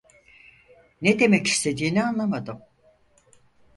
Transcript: Ne demek istediğini anlamadım.